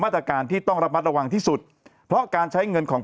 สงสารเพื่อน